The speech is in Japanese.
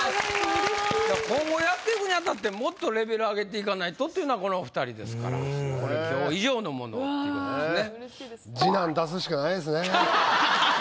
今後やっていくにあたってもっとレベル上げていかないとというのはこのお２人ですから今日以上のものをっていうことですね。